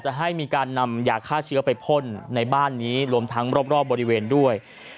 ให้มีการนำยาฆ่าเชื้อไปพ่นในบ้านนี้รวมทั้งรอบบริเวณด้วย